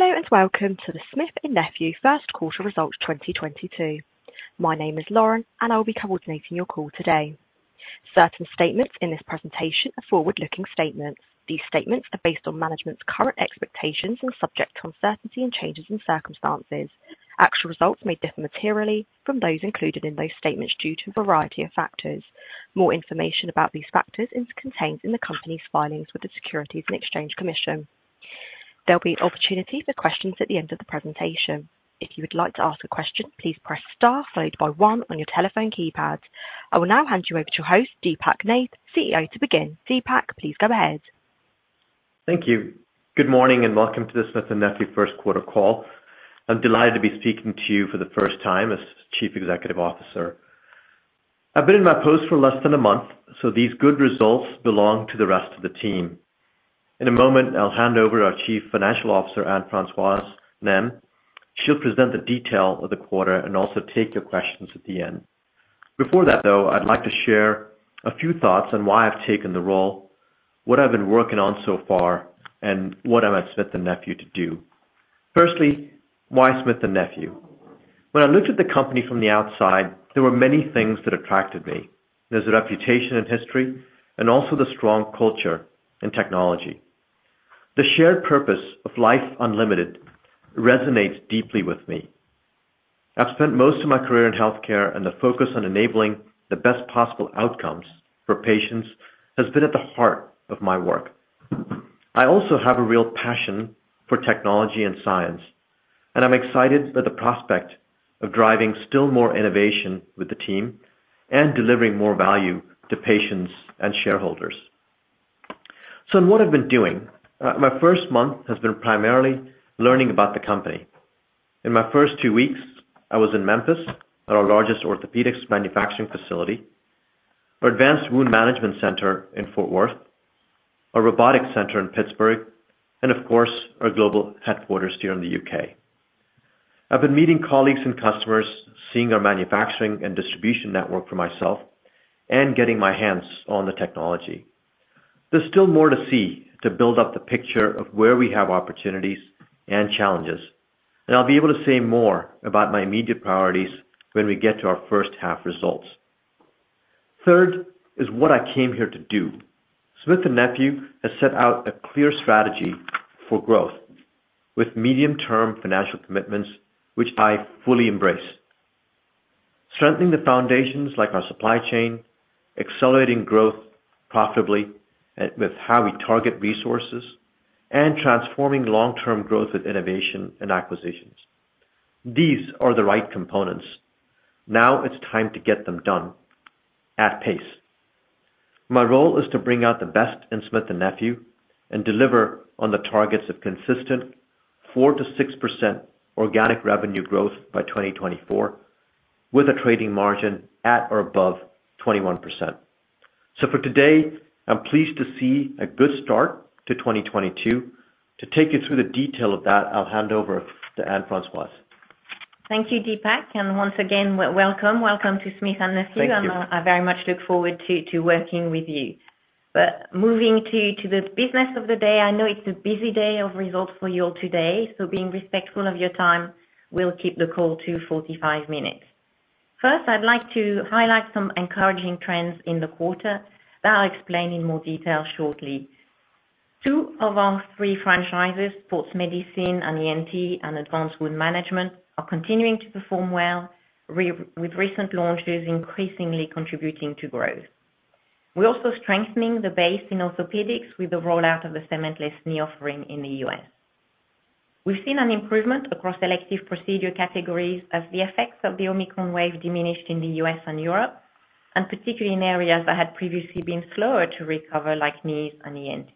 Hello and welcome to the Smith+Nephew Q1 results 2022. My name is Lauren and I'll be coordinating your call today. Certain statements in this presentation are forward-looking statements. These statements are based on management's current expectations and subject to uncertainty and changes in circumstances. Actual results may differ materially from those included in those statements due to a variety of factors. More information about these factors is contained in the company's filings with the Securities and Exchange Commission. There'll be opportunity for questions at the end of the presentation. If you would like to ask a question, please press star followed by one on your telephone keypad. I will now hand you over to your host, Deepak Nath, CEO to begin. Deepak, please go ahead. Thank you. Good morning and welcome to the Smith+Nephew Q1 call. I'm delighted to be speaking to you for the first time as Chief Executive Officer. I've been in my post for less than a month, so these good results belong to the rest of the team. In a moment, I'll hand over to our Chief Financial Officer, Anne-Françoise Nesmes. She'll present the detail of the quarter and also take your questions at the end. Before that, though, I'd like to share a few thoughts on why I've taken the role, what I've been working on so far, and what am I at Smith+Nephew to do. Firstly, why Smith+Nephew? When I looked at the company from the outside, there were many things that attracted me. There's a reputation and history and also the strong culture and technology. The shared purpose of Life Unlimited resonates deeply with me. I've spent most of my career in healthcare, and the focus on enabling the best possible outcomes for patients has been at the heart of my work. I also have a real passion for technology and science, and I'm excited by the prospect of driving still more innovation with the team and delivering more value to patients and shareholders. In what I've been doing, my first month has been primarily learning about the company. In my first two weeks, I was in Memphis at our largest orthopedics manufacturing facility, our advanced wound management center in Fort Worth, our robotic center in Pittsburgh, and of course, our global headquarters here in the UK. I've been meeting colleagues and customers, seeing our manufacturing and distribution network for myself and getting my hands on the technology. There's still more to see to build up the picture of where we have opportunities and challenges, and I'll be able to say more about my immediate priorities when we get to our H1 results. Third is what I came here to do. Smith+Nephew has set out a clear strategy for growth with medium-term financial commitments, which I fully embrace. Strengthening the foundations like our supply chain, accelerating growth profitably with how we target resources and transforming long-term growth with innovation and acquisitions. These are the right components. Now it's time to get them done at pace. My role is to bring out the best in Smith+Nephew and deliver on the targets of consistent 4%-6% organic revenue growth by 2024, with a trading margin at or above 21%. For today, I'm pleased to see a good start to 2022. To take you through the detail of that, I'll hand over to Anne-Françoise. Thank you, Deepak. Once again, welcome to Smith+Nephew. Thank you. I very much look forward to working with you. Moving to the business of the day. I know it's a busy day of results for you all today, so being respectful of your time, we'll keep the call to 45 minutes. First, I'd like to highlight some encouraging trends in the quarter that I'll explain in more detail shortly. Two of our three franchises, Sports Medicine and ENT and Advanced Wound Management, are continuing to perform well, with recent launches increasingly contributing to growth. We're also strengthening the base in orthopedics with the rollout of the Cementless knee offering in the U.S. We've seen an improvement across elective procedure categories as the effects of the Omicron wave diminished in the U.S. and Europe, and particularly in areas that had previously been slower to recover, like knees and ENT.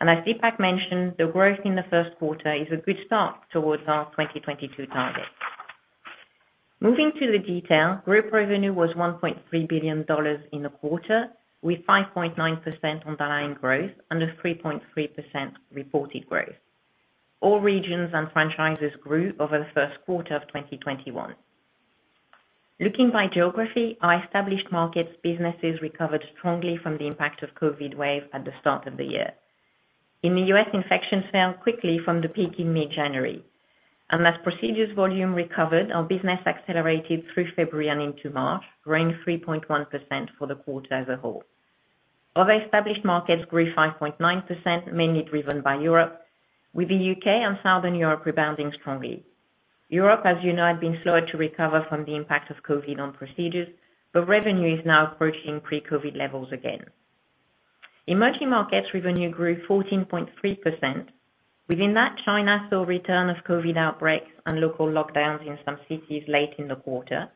As Deepak mentioned, the growth in the Q1 is a good start towards our 2022 targets. Moving to the detail, group revenue was $1.3 billion in the quarter, with 5.9% underlying growth and a 3.3% reported growth. All regions and franchises grew over the Q1 of 2021. Looking by geography, our established markets businesses recovered strongly from the impact of COVID wave at the start of the year. In the U.S., infections fell quickly from the peak in mid-January, and as procedure volume recovered, our business accelerated through February and into March, growing 3.1% for the quarter as a whole. Other established markets grew 5.9%, mainly driven by Europe, with the U.K. and Southern Europe rebounding strongly. Europe, as you know, had been slower to recover from the impact of COVID on procedures, but revenue is now approaching pre-COVID levels again. Emerging markets revenue grew 14.3%. Within that, China saw a return of COVID outbreaks and local lockdowns in some cities late in the quarter.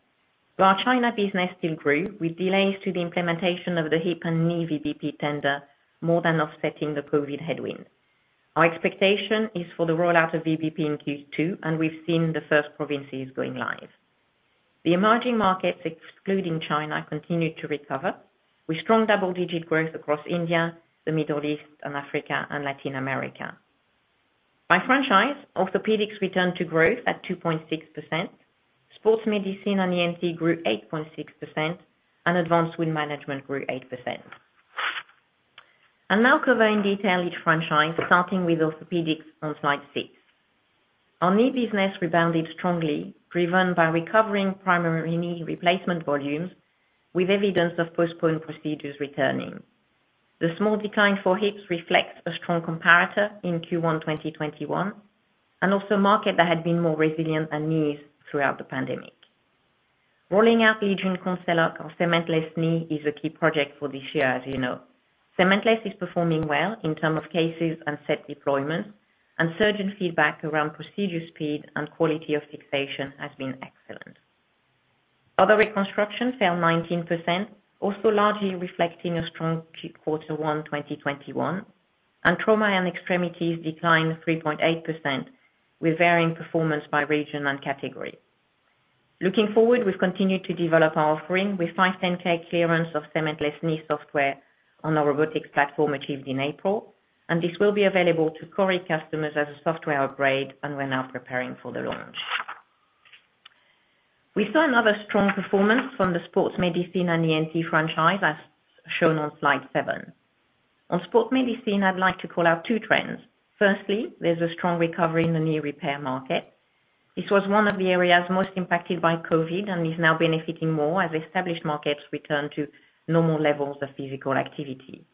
While China business still grew, with delays to the implementation of the hip and knee VBP tender more than offsetting the COVID headwind. Our expectation is for the rollout of VBP in Q2, and we've seen the first provinces going live. The emerging markets, excluding China, continued to recover, with strong double-digit growth across India, the Middle East, and Africa and Latin America. By franchise, Orthopedics returned to growth at 2.6%. Sports Medicine and ENT grew 8.6%, and Advanced Wound Management grew 8%. I'll now cover in detail each franchise, starting with Orthopedics on slide six. Our knee business rebounded strongly, driven by recovering primary knee replacement volumes, with evidence of postponed procedures returning. The small decline for hips reflects a strong comparator in Q1 2021, and also a market that had been more resilient than knees throughout the pandemic. Rolling out the LEGION CONCELOC cementless knee is a key project for this year, as you know. Cementless is performing well in terms of cases and set deployments, and surgeon feedback around procedure speed and quality of fixation has been excellent. Other reconstructions fell 19%, also largely reflecting a strong Q1 2021. Trauma and extremities declined 3.8% with varying performance by region and category. Looking forward, we've continued to develop our offering with 510(k) clearance of cementless knee software on our robotics platform achieved in April, and this will be available to CORI customers as a software upgrade, and we're now preparing for the launch. We saw another strong performance from the Sports Medicine and ENT franchise, as shown on slide seven. On Sports Medicine, I'd like to call out two trends. Firstly, there's a strong recovery in the knee repair market. This was one of the areas most impacted by COVID and is now benefiting more as established markets return to normal levels of physical activity.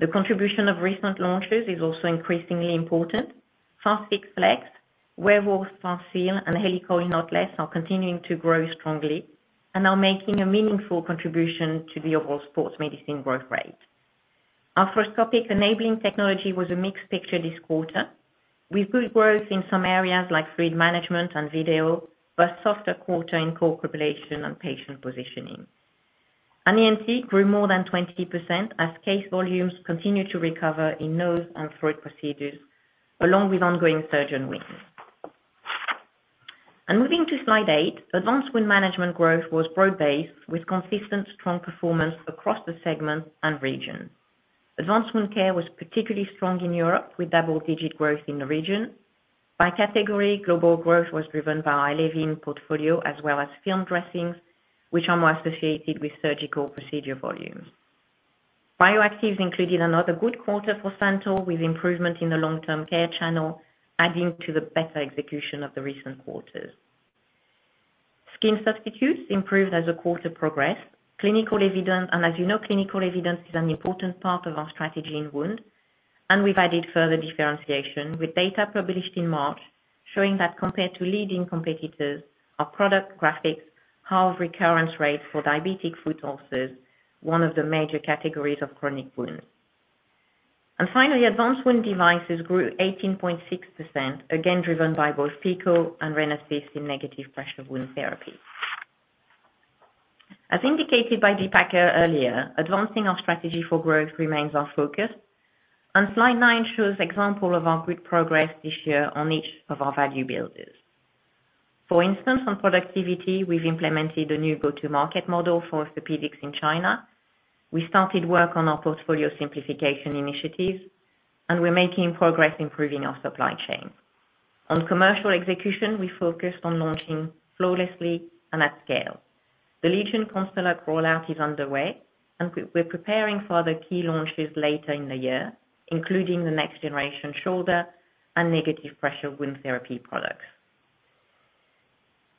The contribution of recent launches is also increasingly important. FAST-FIX FLEX, WEREWOLF FASTSEAL, and HEALICOIL KNOTLESS are continuing to grow strongly and are making a meaningful contribution to the overall Sports Medicine growth rate. Arthroscopic enabling technology was a mixed picture this quarter, with good growth in some areas like fluid management and video, but a softer quarter in core portfolio and patient positioning. ENT grew more than 20% as case volumes continued to recover in nose and throat procedures, along with ongoing surgeon wins. Moving to slide eight, advanced wound management growth was broad-based, with consistent strong performance across the segment and region. Advanced wound care was particularly strong in Europe, with double-digit growth in the region. By category, global growth was driven by our ALLEVYN portfolio as well as film dressings, which are more associated with surgical procedure volumes. Bioactives included another good quarter for SANTYL, with improvement in the long-term care channel adding to the better execution of the recent quarters. Skin substitutes improved as the quarter progressed. Clinical evidence, as you know, clinical evidence is an important part of our strategy in wound, and we've added further differentiation with data published in March showing that compared to leading competitors, our product GRAFIX halve recurrence rates for diabetic foot ulcers, one of the major categories of chronic wounds. Finally, advanced wound devices grew 18.6%, again driven by both PICO and RENASYS in negative pressure wound therapy. As indicated by Deepak earlier, advancing our strategy for growth remains our focus, and slide nine shows example of our good progress this year on each of our value builders. For instance, on productivity, we've implemented a new go-to-market model for orthopedics in China. We started work on our portfolio simplification initiatives, and we're making progress improving our supply chain. On commercial execution, we focused on launching flawlessly and at scale. The LEGION CONCELOC rollout is underway, and we're preparing for other key launches later in the year, including the next-generation shoulder and negative pressure wound therapy products.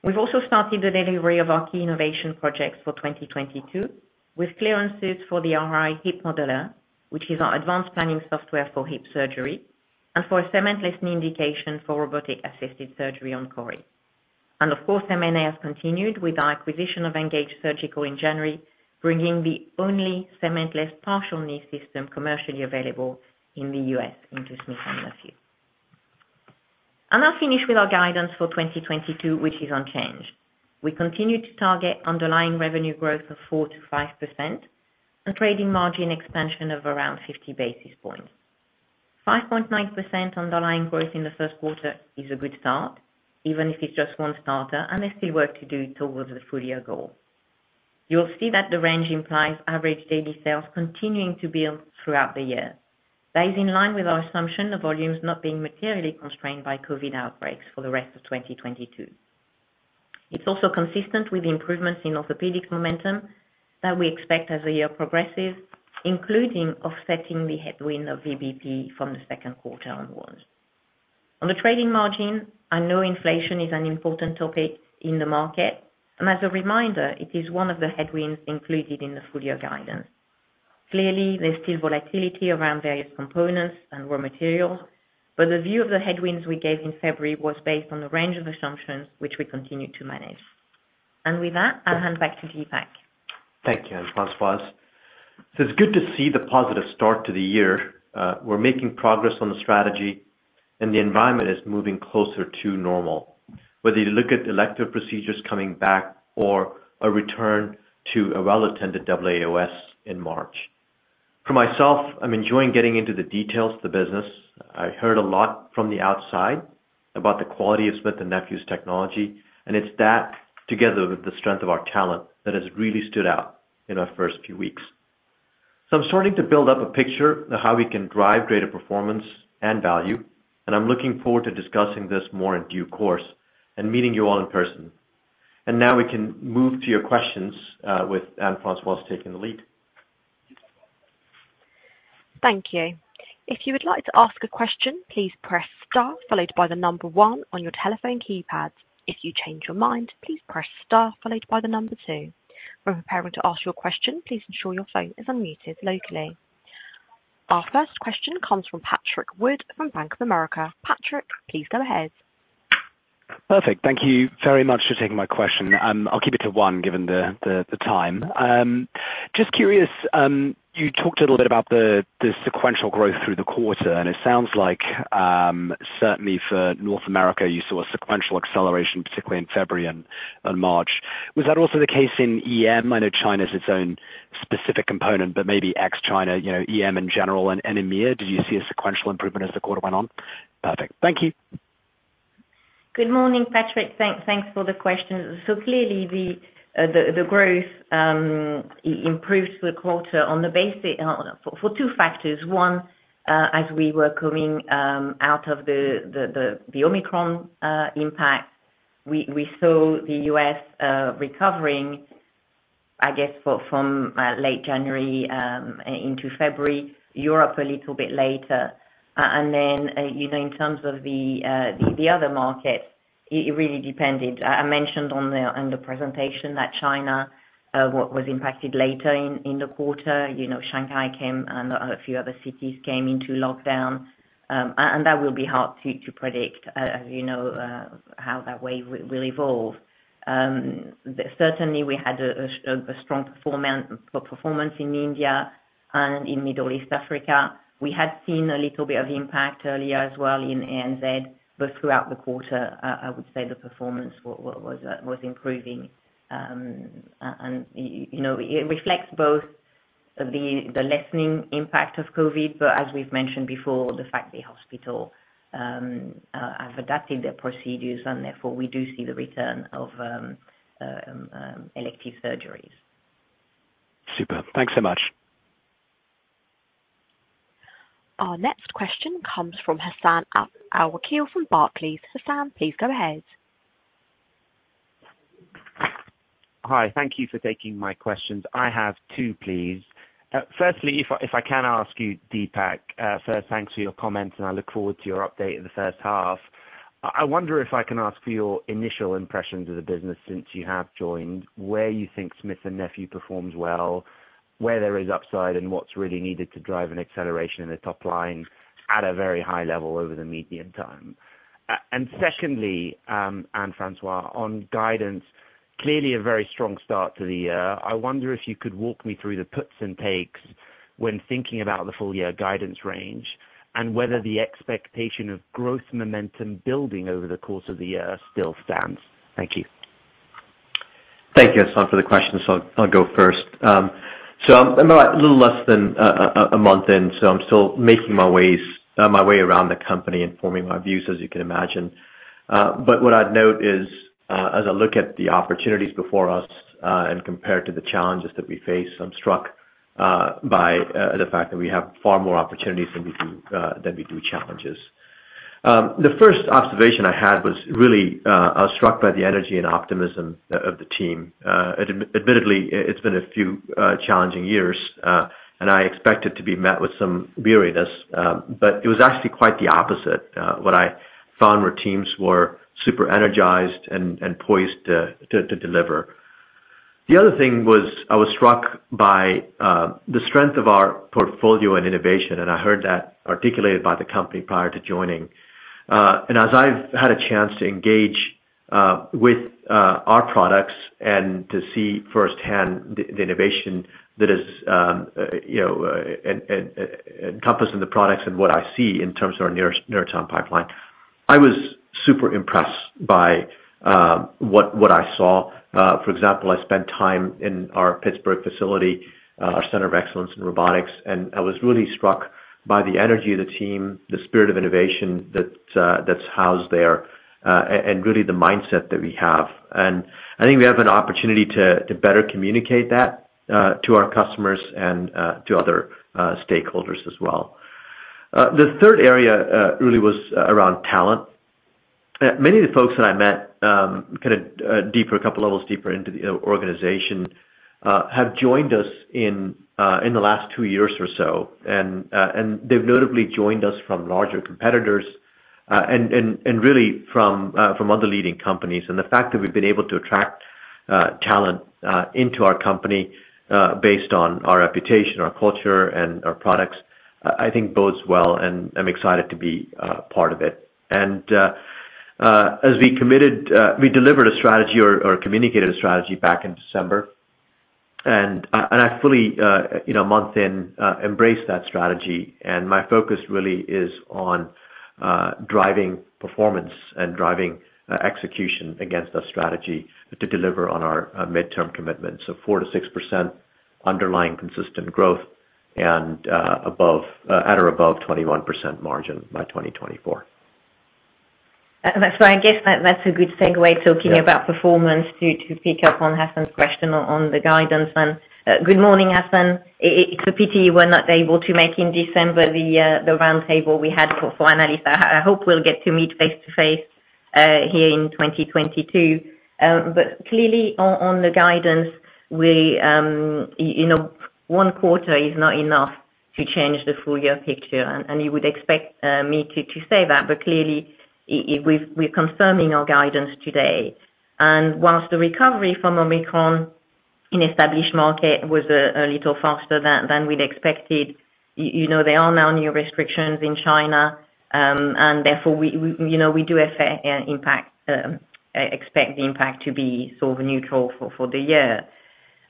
We've also started the delivery of our key innovation projects for 2022, with clearances for the RI.HIP MODELER, which is our advanced planning software for hip surgery, and for a cementless knee indication for robotic-assisted surgery on CORI. Of course, M&A has continued with our acquisition of Engage Surgical in January, bringing the only cementless partial knee system commercially available in the U.S. into Smith+Nephew. I'll now finish with our guidance for 2022, which is unchanged. We continue to target underlying revenue growth of 4%-5% and trading margin expansion of around 50 basis points. 5.9% underlying growth in the Q1 is a good start, even if it's just one quarter, and there's still work to do towards the full-year goal. You'll see that the range implies average daily sales continuing to build throughout the year. That is in line with our assumption of volumes not being materially constrained by COVID outbreaks for the rest of 2022. It's also consistent with the improvements in orthopedic momentum that we expect as the year progresses, including offsetting the headwind of VBP from the Q2 onwards. On the trading margin, I know inflation is an important topic in the market, and as a reminder, it is one of the headwinds included in the full year guidance. Clearly, there's still volatility around various components and raw materials, but the view of the headwinds we gave in February was based on a range of assumptions which we continue to manage. With that, I'll hand back to Deepak. Thank you, Anne-Françoise. It's good to see the positive start to the year. We're making progress on the strategy, and the environment is moving closer to normal, whether you look at elective procedures coming back or a return to a well-attended AAOS in March. For myself, I'm enjoying getting into the details of the business. I heard a lot from the outside about the quality of Smith & Nephew's technology, and it's that together with the strength of our talent that has really stood out in our first few weeks. I'm starting to build up a picture of how we can drive greater performance and value, and I'm looking forward to discussing this more in due course and meeting you all in person. Now we can move to your questions, with Anne-Françoise taking the lead. Thank you. If you would like to ask a question, please press star followed by the number one on your telephone keypad. If you change your mind, please press star followed by the number two. When preparing to ask your question, please ensure your phone is unmuted locally. Our first question comes from Patrick Wood from Bank of America. Patrick, please go ahead. Perfect. Thank you very much for taking my question. I'll keep it to one given the time. Just curious, you talked a little bit about the sequential growth through the quarter, and it sounds like certainly for North America, you saw a sequential acceleration, particularly in February and March. Was that also the case in EM? I know China is its own specific component, but maybe ex China, you know, EM in general and EMEIA, did you see a sequential improvement as the quarter went on? Perfect. Thank you. Good morning, Patrick. Thanks for the question. Clearly the growth improved through the quarter for two factors. One, as we were coming out of the Omicron impact, we saw the U.S. recovering, I guess, from late January into February, Europe a little bit later. Then, you know, in terms of the other markets, it really depended. I mentioned in the presentation that China was impacted later in the quarter, you know, Shanghai came and a few other cities came into lockdown. That will be hard to predict, you know, how that wave will evolve. Certainly we had a strong performance in India and in Middle East Africa. We had seen a little bit of impact earlier as well in ANZ, but throughout the quarter, I would say the performance was improving. You know, it reflects both the lessening impact of COVID, but as we've mentioned before, the fact the hospitals have adapted their procedures, and therefore we do see the return of elective surgeries. Superb. Thanks so much. Our next question comes from Hassan Al-Wakeel from Barclays. Hassan, please go ahead. Hi. Thank you for taking my questions. I have two, please. First, if I can ask you, Deepak, first thanks for your comments, and I look forward to your update in the H1. I wonder if I can ask for your initial impressions of the business since you have joined, where you think Smith & Nephew performs well, where there is upside, and what's really needed to drive an acceleration in the top line at a very high level over the medium term. Second, Anne-Françoise, on guidance, clearly a very strong start to the year. I wonder if you could walk me through the puts and takes when thinking about the full year guidance range and whether the expectation of growth momentum building over the course of the year still stands. Thank you. Thank you, Hassan, for the questions. I'll go first. I'm about a little less than a month in, so I'm still making my way around the company and forming my views, as you can imagine. What I'd note is, as I look at the opportunities before us, and compared to the challenges that we face, I'm struck by the fact that we have far more opportunities than we do challenges. The first observation I had was really, I was struck by the energy and optimism of the team. Admittedly, it's been a few challenging years, and I expected to be met with some weariness, but it was actually quite the opposite. What I found were teams who were super energized and poised to deliver. The other thing was I was struck by the strength of our portfolio and innovation, and I heard that articulated by the company prior to joining. As I've had a chance to engage with our products and to see firsthand the innovation that is, you know, encompassed in the products and what I see in terms of our neuro sim pipeline, I was super impressed by what I saw. For example, I spent time in our Pittsburgh facility, our center of excellence in robotics, and I was really struck by the energy of the team, the spirit of innovation that's housed there, and really the mindset that we have. I think we have an opportunity to better communicate that to our customers and to other stakeholders as well. The third area really was around talent. Many of the folks that I met kind of deeper, a couple levels deeper into the organization have joined us in the last two years or so. They've notably joined us from larger competitors and really from other leading companies. The fact that we've been able to attract talent into our company based on our reputation, our culture, and our products, I think bodes well, and I'm excited to be part of it. As we committed, we delivered a strategy or communicated a strategy back in December. I fully, you know, one month in, embrace that strategy. My focus really is on driving performance and execution against the strategy to deliver on our midterm commitments of 4%-6% underlying consistent growth and at or above 21% margin by 2024. That's why I guess that's a good segue talking about performance to pick up on Hassan's question on the guidance and good morning, Hassan. It's a pity you were not able to make it in December to the roundtable we had for analysts. I hope we'll get to meet face-to-face here in 2022. But clearly on the guidance, you know, one quarter is not enough to change the full year picture. You would expect me to say that, but clearly we're confirming our guidance today. While the recovery from Omicron in established markets was a little faster than we'd expected, you know, there are now new restrictions in China. Therefore we, you know, expect the impact to be sort of neutral for the year.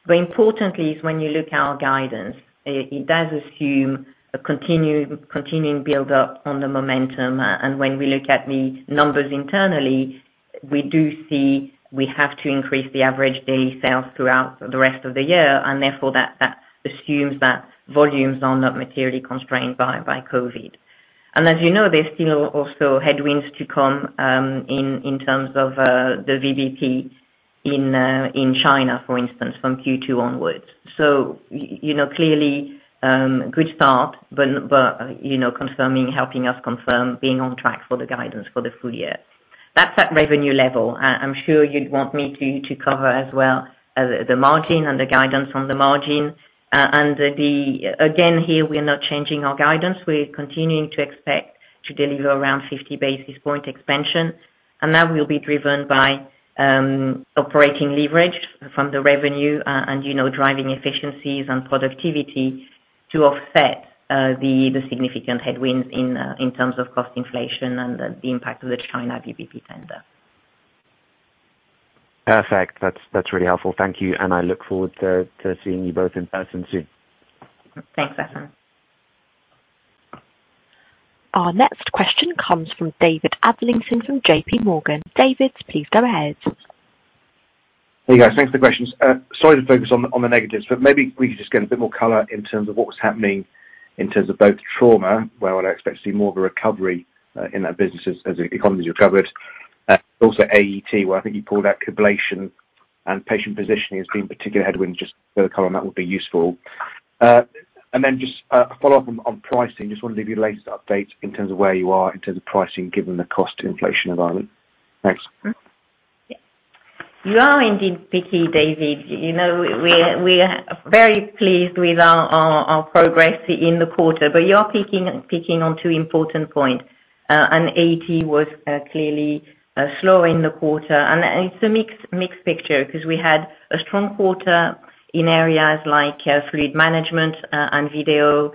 Importantly, when you look at our guidance, it does assume a continuing build-up on the momentum. When we look at the numbers internally, we do see we have to increase the average daily sales throughout the rest of the year, and therefore that assumes that volumes are not materially constrained by COVID. As you know, there's still also headwinds to come in terms of the VBP in China, for instance, from Q2 onwards. You know, clearly, good start, but you know, helping us confirm being on track for the guidance for the full year. That's at revenue level. I'm sure you'd want me to cover as well the margin and the guidance on the margin. Again, here we are not changing our guidance. We're continuing to expect to deliver around 50 basis point expansion, and that will be driven by operating leverage from the revenue, and you know, driving efficiencies and productivity to offset the significant headwinds in terms of cost inflation and the impact of the China VBP tender. Perfect. That's really helpful. Thank you, and I look forward to seeing you both in person soon. Thanks, Hassan. Our next question comes from David Adlington from JP Morgan. David, please go ahead. Hey, guys. Thanks for the questions. Sorry to focus on the negatives, but maybe we could just get a bit more color in terms of what was happening in terms of both trauma, where I'd expect to see more of a recovery, in that business as the economies recovered. Also AET, where I think you called out coblation and patient positioning as being particular headwinds, just a bit of color on that would be useful. And then just a follow-up on pricing. Just want your latest update in terms of where you are in terms of pricing, given the cost inflation environment. Thanks. You are indeed picky, David. You know, we're very pleased with our progress in the quarter, but you are picking on two important points. AET was clearly slow in the quarter. It's a mixed picture 'cause we had a strong quarter in areas like fluid management and video,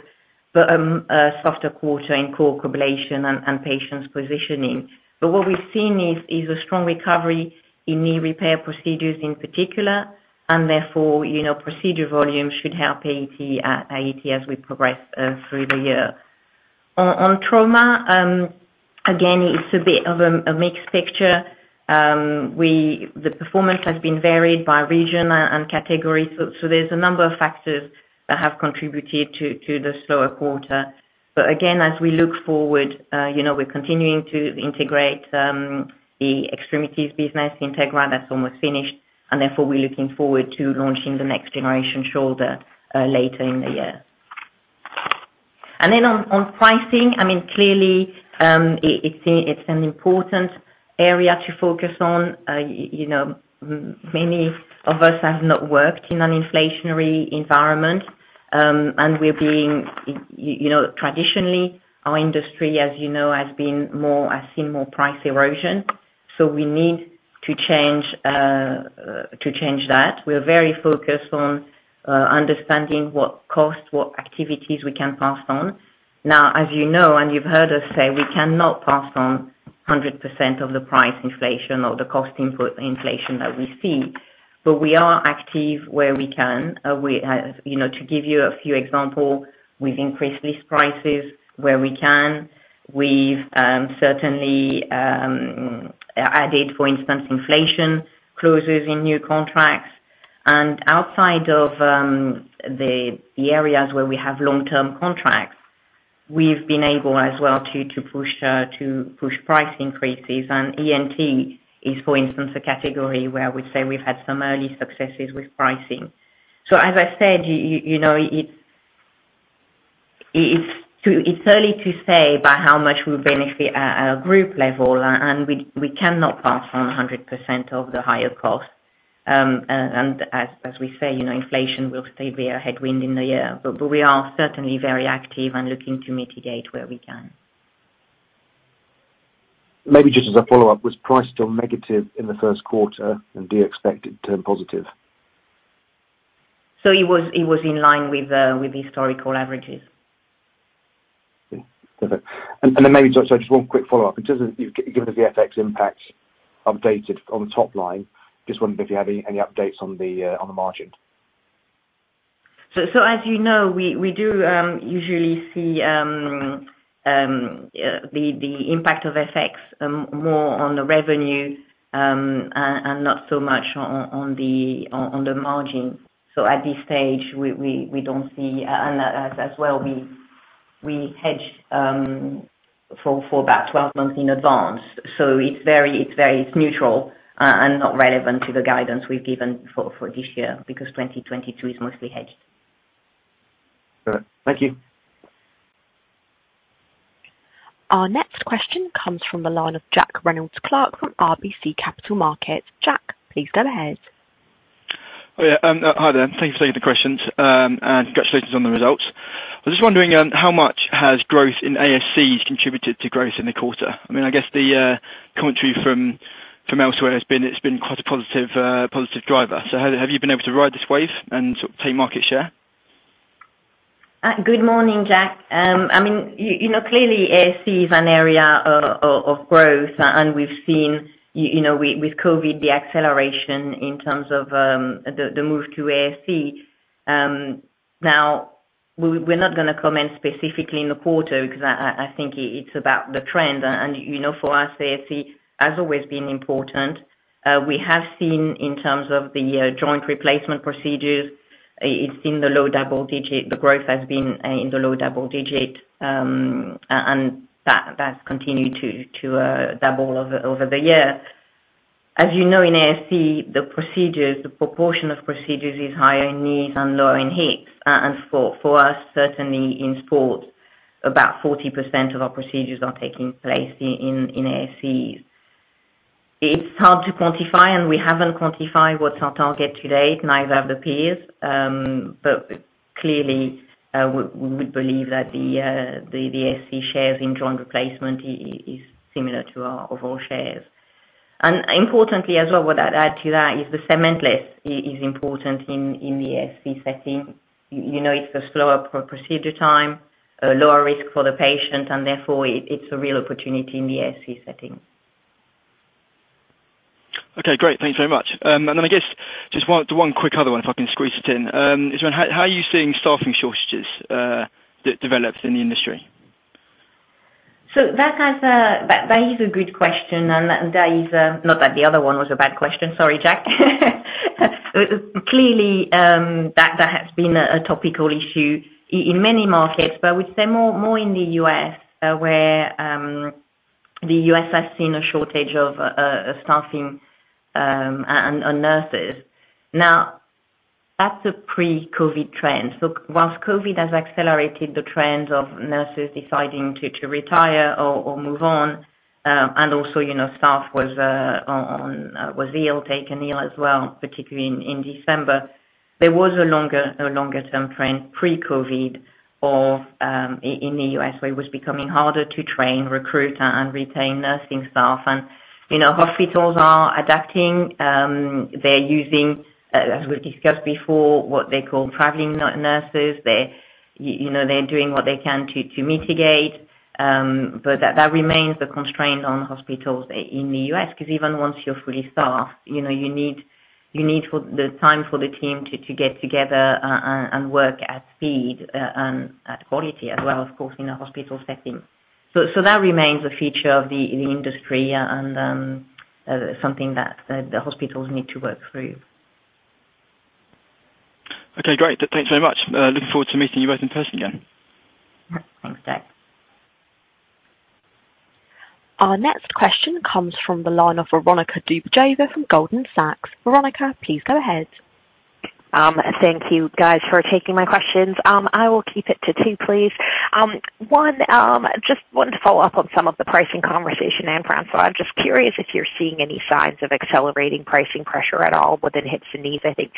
but a softer quarter in core Coblation and patient positioning. What we've seen is a strong recovery in knee repair procedures in particular, and therefore, you know, procedure volume should help AET as we progress through the year. On trauma, again, it's a bit of a mixed picture. The performance has been varied by region and category. There's a number of factors that have contributed to the slower quarter. Again, as we look forward, you know, we're continuing to integrate the extremities business, Integra, that's almost finished. Therefore, we're looking forward to launching the next generation shoulder later in the year. Then on pricing, I mean, clearly, it's an important area to focus on. You know, many of us have not worked in an inflationary environment. Traditionally, our industry, as you know, has seen more price erosion. We need to change that. We're very focused on understanding what costs, what activities we can pass on. Now, as you know, and you've heard us say, we cannot pass on 100% of the price inflation or the cost input inflation that we see. We are active where we can. You know, to give you a few examples, we've increased list prices where we can. We've certainly added, for instance, inflation clauses in new contracts. Outside of the areas where we have long-term contracts, we've been able as well to push price increases. ENT is, for instance, a category where we'd say we've had some early successes with pricing. As I said, you know, it's too early to say by how much we benefit at group level, and we cannot pass on 100% of the higher cost. As we say, you know, inflation will still be a headwind in the year. We are certainly very active and looking to mitigate where we can. Maybe just as a follow-up, was price still negative in the Q1, and do you expect it to turn positive? It was in line with historical averages. Perfect. Then maybe just one quick follow-up. Given the FX impact updated on the top line, just wondering if you have any updates on the margin. As you know, we do usually see the impact of FX more on the revenue and not so much on the margin. At this stage, we don't see. As well, we hedge for about 12 months in advance. It's very neutral and not relevant to the guidance we've given for this year, because 2022 is mostly hedged. All right. Thank you. Our next question comes from the line of Jack Reynolds-Clark from RBC Capital Markets. Jack, please go ahead. Oh, yeah. Hi there. Thank you for taking the questions. Congratulations on the results. I was just wondering how much has growth in ASC contributed to growth in the quarter? I mean, I guess the commentary from elsewhere has been it's been quite a positive driver. Have you been able to ride this wave and sort of take market share? Good morning, Jack. I mean, you know, clearly ASC is an area of growth, and we've seen you know, with COVID the acceleration in terms of, the move to ASC. Now, we're not gonna comment specifically in the quarter because I think it's about the trend and, you know, for us ASC has always been important. We have seen in terms of the joint replacement procedures, it's in the low double digit. The growth has been in the low double digit, and that's continued to double over the years. As you know, in ASC, the procedures, the proportion of procedures is higher in knees and lower in hips. For us, certainly in sports, about 40% of our procedures are taking place in ASCs. It's hard to quantify, and we haven't quantified what's our target to date, neither have the peers, but clearly, we believe that the ASC shares in joint replacement is similar to our overall shares. Importantly as well, what I'd add to that is the cementless is important in the ASC setting. You know, it's a slower procedure time, a lower risk for the patient, and therefore it's a real opportunity in the ASC setting. Okay, great. Thanks very much. I guess just one, the one quick other one, if I can squeeze it in. How are you seeing staffing shortages that develops in the industry? That is a good question. Not that the other one was a bad question. Sorry, Jack. Clearly, that has been a topical issue in many markets. We say more in the U.S., where the U.S. has seen a shortage of staffing and nurses. Now, that's a pre-COVID trend. While COVID has accelerated the trends of nurses deciding to retire or move on, and also, you know, staff was taken ill as well, particularly in December. There was a longer term trend pre-COVID in the U.S., where it was becoming harder to train, recruit and retain nursing staff. You know, hospitals are adapting. They're using, as we've discussed before, what they call traveling nurses. They're, you know, they're doing what they can to mitigate, but that remains the constraint on hospitals in the U.S., 'cause even once you're fully staffed, you know, you need time for the team to get together and work at speed, and at quality as well, of course, in a hospital setting. That remains a feature of the industry and something that the hospitals need to work through. Okay, great. Thanks very much. Looking forward to meeting you both in person again. Thanks, Jack. Our next question comes from the line of Veronika Dubajova from Goldman Sachs. Veronica, please go ahead. Thank you guys for `taking my questions. I will keep it to two, please. One, just wanted to follow up on some of the pricing conversation, Anne-Françoise. I'm just curious if you're seeing any signs of accelerating pricing pressure at all within hips and knees. I think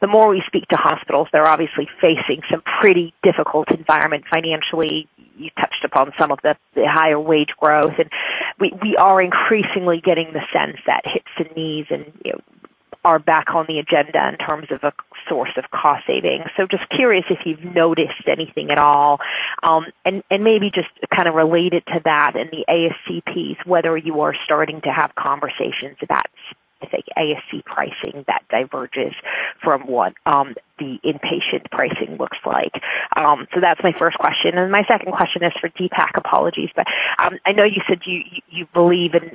the more we speak to hospitals, they're obviously facing some pretty difficult environment financially. You touched upon some of the higher wage growth. We are increasingly getting the sense that hips and knees and, you know, are back on the agenda in terms of a source of cost savings. Just curious if you've noticed anything at all. Maybe just kind of related to that in the ASC piece, whether you are starting to have conversations about, say, ASC pricing that diverges from what the inpatient pricing looks like. That's my first question. My second question is for Deepak. Apologies. I know you said you believe in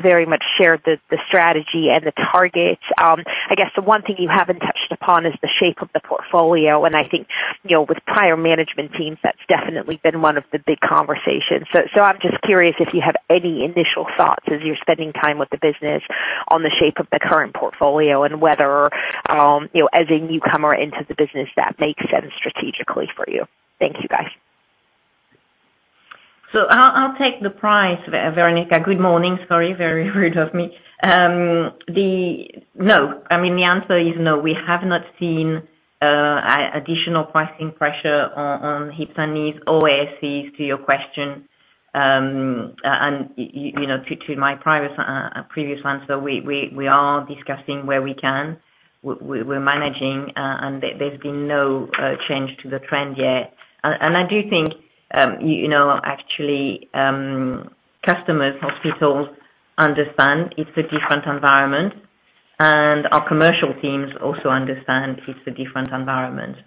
very much share the strategy and the targets. I guess the one thing you haven't touched upon is the shape of the portfolio. I think, you know, with prior management teams, that's definitely been one of the big conversations. I'm just curious if you have any initial thoughts as you're spending time with the business on the shape of the current portfolio and whether, you know, as a newcomer into the business that makes sense strategically for you. Thank you, guys. I'll take the price, Veronika. Good morning. Sorry, very rude of me. No, I mean, the answer is no. We have not seen additional pricing pressure on hips and knees or ASCs to your question. You know, to my previous answer, we are discussing where we can. We're managing, and there's been no change to the trend yet. I do think you know, actually, customers, hospitals understand it's a different environment. Our commercial teams also understand it's a different environment.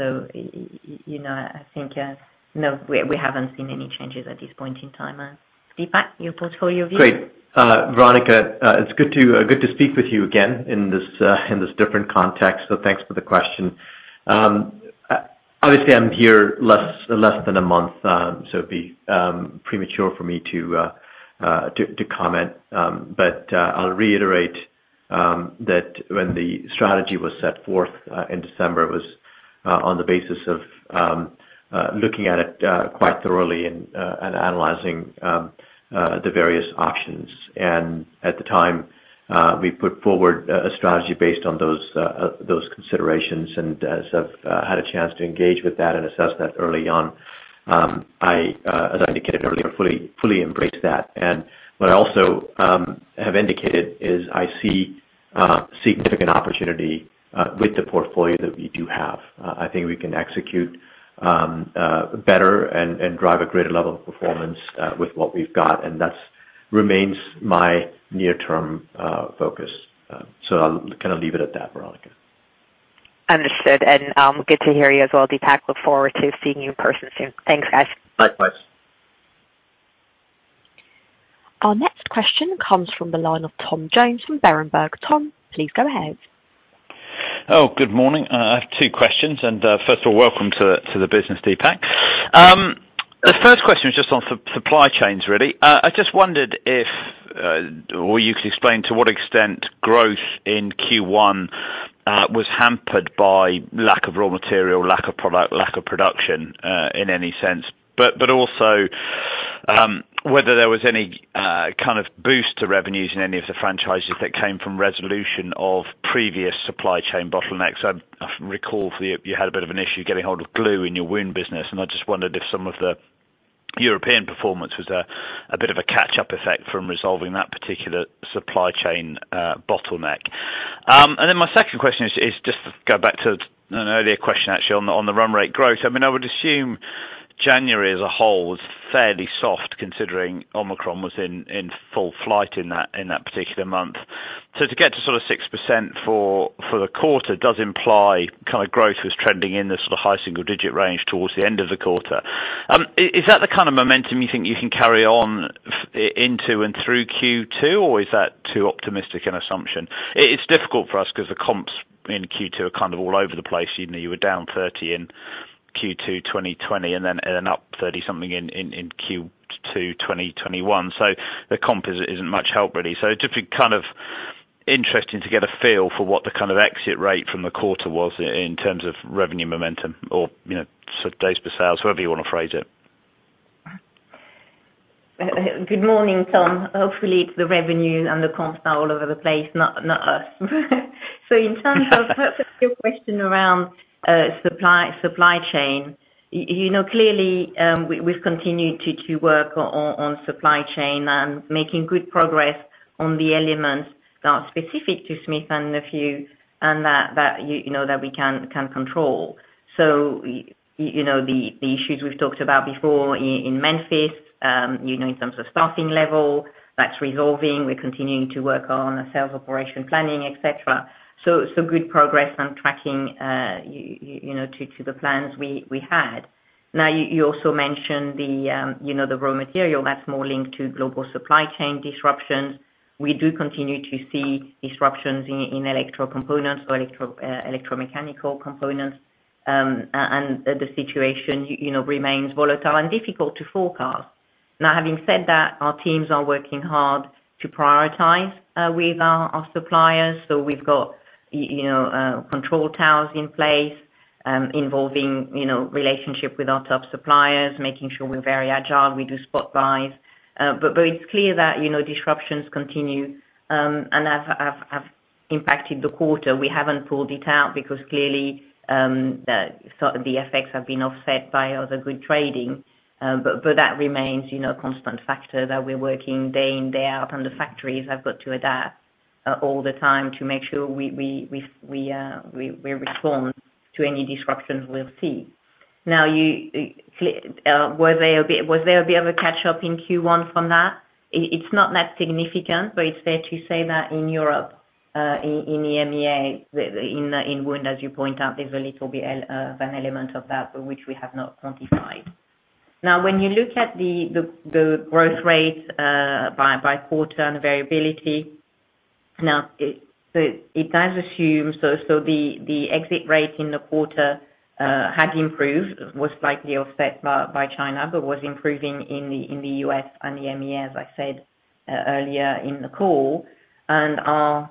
You know, I think no, we haven't seen any changes at this point in time. Deepak, your portfolio view? Great. Veronika, it's good to speak with you again in this different context. Thanks for the question. Obviously, I'm here less than a month, so it'd be premature for me to comment. I'll reiterate. That when the strategy was set forth in December, it was on the basis of looking at it quite thoroughly and analyzing the various options. At the time, we put forward a strategy based on those considerations. As I've had a chance to engage with that and assess that early on, I, as I indicated earlier, fully embrace that. What I also have indicated is I see significant opportunity with the portfolio that we do have. I think we can execute better and drive a greater level of performance with what we've got, and that remains my near term focus. I'll kinda leave it at that, Veronika. Understood. Good to hear you as well, Deepak. Look forward to seeing you in person soon. Thanks, guys. Bye. Bye. Our next question comes from the line of Tom Jones from Berenberg. Tom, please go ahead. Good morning. I have two questions. First of all, welcome to the business, Deepak. The first question is just on supply chains really. I just wondered if you could explain to what extent growth in Q1 was hampered by lack of raw material, lack of product, lack of production in any sense. Also, whether there was any kind of boost to revenues in any of the franchises that came from resolution of previous supply chain bottlenecks. I can recall for you had a bit of an issue getting hold of glue in your wound business, and I just wondered if some of the European performance was a bit of a catch-up effect from resolving that particular supply chain bottleneck. My second question is just to go back to an earlier question, actually, on the run rate growth. I mean, I would assume January as a whole was fairly soft considering Omicron was in full flight in that particular month. To get to sort of 6% for the quarter does imply kind of growth was trending in the sort of high single digit range towards the end of the quarter. Is that the kind of momentum you think you can carry on into and through Q2, or is that too optimistic an assumption? It's difficult for us 'cause the comps in Q2 are kind of all over the place. You know, you were down 30 in Q2 2020, and then up 30 something in Q2 2021. The comp isn't much help really. It'd just be kind of interesting to get a feel for what the kind of exit rate from the quarter was in terms of revenue momentum or, you know, sort of days per sales, however you wanna phrase it. Good morning, Tom. Hopefully it's the revenue and the comps now all over the place, not us. In terms of perhaps your question around supply chain, you know, clearly, we've continued to work on supply chain and making good progress on the elements that are specific to Smith & Nephew and that we can control. You know, the issues we've talked about before in Memphis, you know, in terms of staffing level, that's resolving. We're continuing to work on sales operation planning, et cetera. Good progress on tracking to the plans we had. Now, you also mentioned the raw material. That's more linked to global supply chain disruptions. We do continue to see disruptions in electronic components or electromechanical components. The situation, you know, remains volatile and difficult to forecast. Now, having said that, our teams are working hard to prioritize with our suppliers. We've got you know, control towers in place, involving you know, relationship with our top suppliers, making sure we're very agile. We do spot buys. It's clear that, you know, disruptions continue and have impacted the quarter. We haven't pulled it out because clearly, the sort of effects have been offset by other good trading. That remains, you know, a constant factor that we're working day in, day out, and the factories have got to adapt all the time to make sure we respond to any disruptions we'll see. Now, was there a bit of a catch-up in Q1 from that? It's not that significant, but it's fair to say that in Europe, in EMEA, in wound as you point out, there's a little bit of an element of that, but which we have not quantified. Now, when you look at the growth rate by quarter and the variability, so it does assume. The exit rate in the quarter had improved, was slightly offset by China, but was improving in the US and EMEA, as I said earlier in the call. Our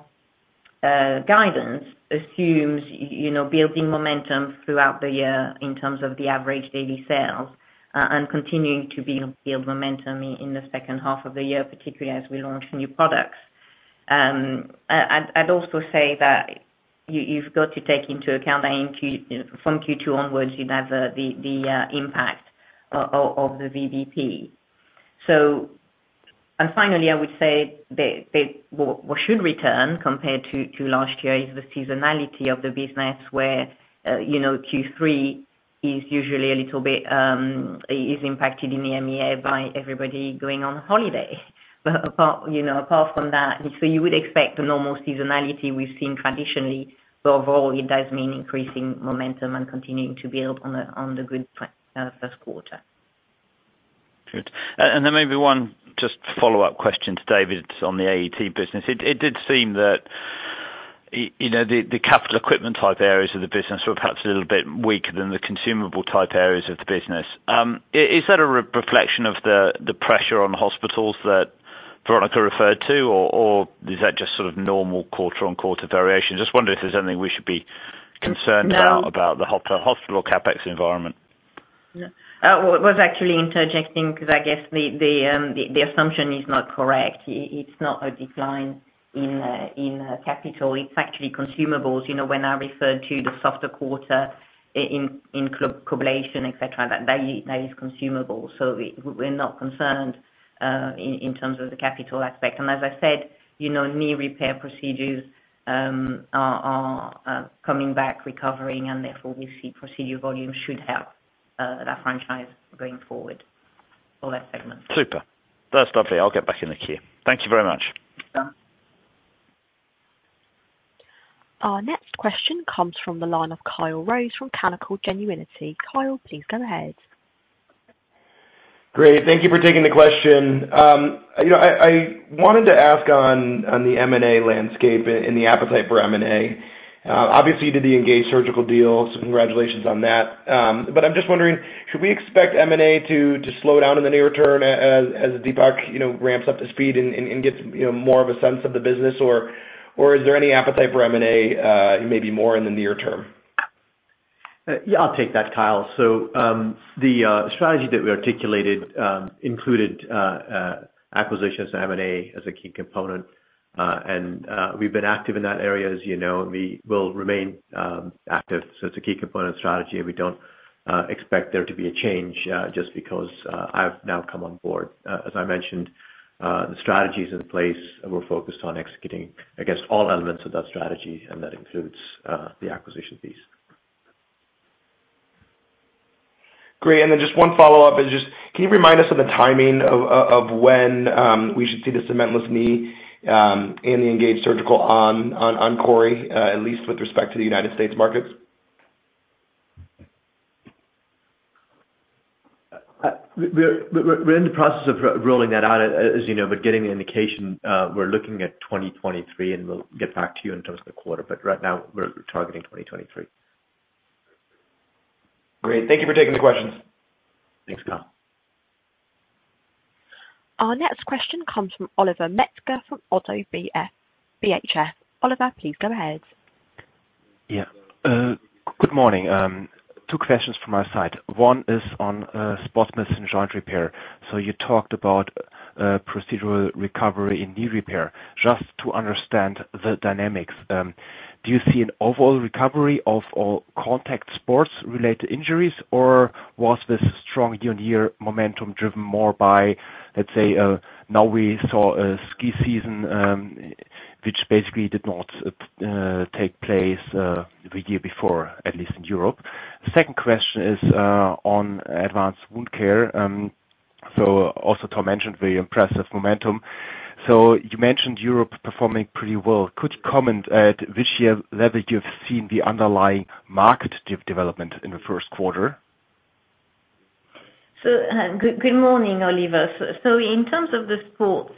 guidance assumes, you know, building momentum throughout the year in terms of the average daily sales and continuing to build momentum in the H2 of the year, particularly as we launch new products. I'd also say that you've got to take into account that from Q2 onwards, you have the impact of the VBP. Finally, I would say what should return compared to last year is the seasonality of the business where, you know, Q3 is usually a little bit is impacted in EMEA by everybody going on holiday. Apart from that, you know, so you would expect a normal seasonality we've seen traditionally, but overall it does mean increasing momentum and continuing to build on the good first quarter. Good. Maybe one just follow-up question to David on the AET business. It did seem that- You know, the capital equipment type areas of the business were perhaps a little bit weaker than the consumable type areas of the business. Is that a reflection of the pressure on hospitals that Veronica referred to or is that just sort of normal quarter-on-quarter variation? Just wondering if there's anything we should be concerned about. No. About the hot hospital CapEx environment. Yeah. Was actually interjecting because I guess the assumption is not correct. It's not a decline in capital. It's actually consumables. You know, when I referred to the softer quarter in coblation, et cetera, that is consumable. We're not concerned in terms of the capital aspect. As I said, you know, knee repair procedures are coming back, recovering, and therefore we see procedure volume should help that franchise going forward for that segment. Super. That's lovely. I'll get back in the queue. Thank you very much. Sure. Our next question comes from the line of Kyle Rose from Canaccord Genuity. Kyle, please go ahead. Great. Thank you for taking the question. You know, I wanted to ask on the M&A landscape and the appetite for M&A. Obviously you did the Engage Surgical deals, congratulations on that. I'm just wondering, should we expect M&A to slow down in the near term as Deepak you know ramps up to speed and gets you know more of a sense of the business? Is there any appetite for M&A maybe more in the near term? Yeah, I'll take that, Kyle. The strategy that we articulated included acquisitions of M&A as a key component. We've been active in that area, as you know, and we will remain active. It's a key component of strategy, and we don't expect there to be a change just because I've now come on board. As I mentioned, the strategy's in place and we're focused on executing, I guess, all elements of that strategy, and that includes the acquisition piece. Great. Then just one follow-up is just, can you remind us of the timing of when we should see the Cementless Knee and the Engage Surgical on CORI, at least with respect to the United States markets? We're in the process of rolling that out, as you know, but getting the indication, we're looking at 2023, and we'll get back to you in terms of the quarter. Right now we're targeting 2023. Great. Thank you for taking the questions. Thanks, Kyle. Our next question comes from Oliver Metzger from ODDO BHF. Oliver, please go ahead. Yeah. Good morning. Two questions from my side. One is on sports medicine joint repair. You talked about procedural recovery in knee repair. Just to understand the dynamics, do you see an overall recovery of all contact sports-related injuries, or was the strong year-on-year momentum driven more by, let's say, now we saw a ski season, which basically did not take place the year before, at least in Europe. Second question is on advanced wound care. Also Tom mentioned the impressive momentum. You mentioned Europe performing pretty well. Could you comment at what level you've seen the underlying market development in the first quarter? Good morning, Oliver. In terms of the sports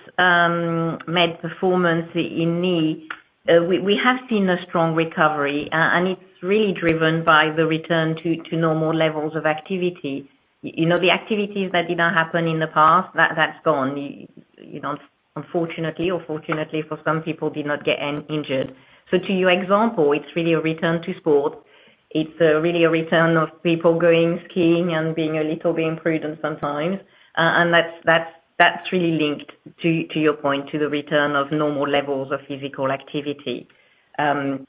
med performance in knee, we have seen a strong recovery, and it's really driven by the return to normal levels of activity. You know, the activities that did not happen in the past, that's gone. You know, unfortunately or fortunately for some people did not get injured. To your example, it's really a return to sport. It's really a return of people going skiing and being a little bit prudent sometimes. That's really linked to your point, to the return of normal levels of physical activity. I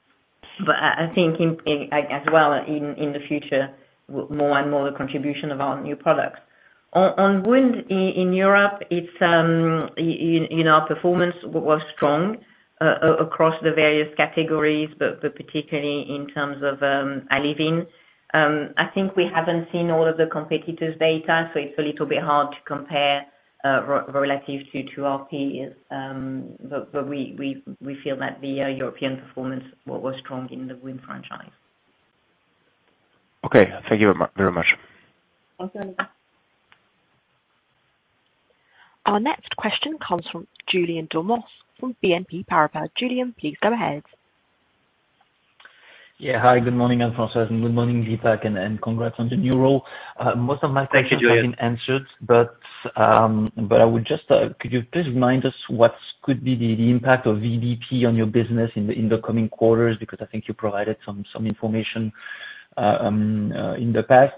think as well in the future, more and more the contribution of our new products. On wound in Europe, it was strong in our performance across the various categories, but particularly in terms of ALLEVYN. I think we haven't seen all of the competitors' data, so it's a little bit hard to compare relative to our peers, but we feel that the European performance was strong in the wound franchise. Okay. Thank you very much. Welcome. Our next question comes from Julien Dormois from BNP Paribas. Julien, please go ahead. Yeah. Hi, good morning Anne-Françoise and good morning, Deepak, and congrats on the new role. Most of my questions- Thank you, Julien. Have been answered, but could you please remind us what could be the impact of VBP on your business in the coming quarters? Because I think you provided some information in the past.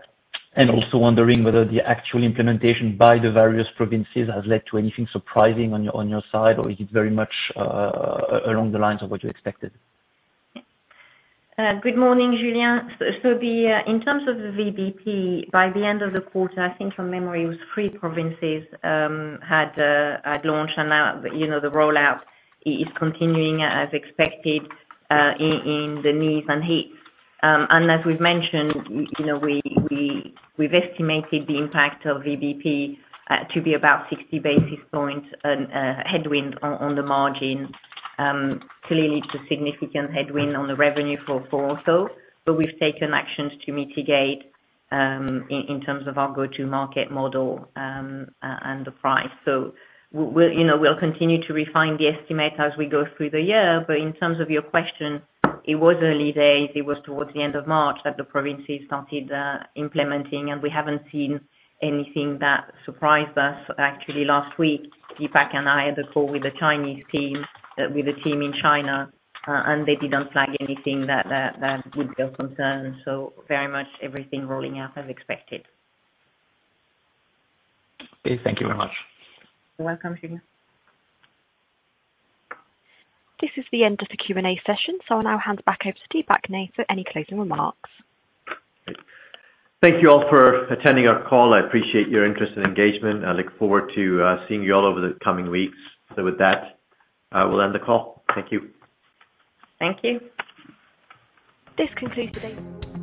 Also wondering whether the actual implementation by the various provinces has led to anything surprising on your side, or is it very much along the lines of what you expected? Good morning, Julien. In terms of the VBP, by the end of the quarter, I think from memory it was three provinces had launched and now, you know, the rollout is continuing as expected in the knees and hips. As we've mentioned, you know, we've estimated the impact of VBP to be about 60 basis points headwind on the margin. Clearly it's a significant headwind on the revenue for Ortho, but we've taken actions to mitigate in terms of our go-to-market model and the price. We'll continue to refine the estimate as we go through the year. In terms of your question, it was early days, it was towards the end of March that the provinces started implementing, and we haven't seen anything that surprised us. Actually, last week, Deepak and I had a call with the Chinese team, with the team in China, and they didn't flag anything that would build concern. Very much everything rolling out as expected. Okay. Thank you very much. You're welcome, Julien. This is the end of the Q&A session. I'll now hand back over to Deepak Nath for any closing remarks. Thank you all for attending our call. I appreciate your interest and engagement. I look forward to seeing you all over the coming weeks. With that, I will end the call. Thank you. Thank you. This concludes today's.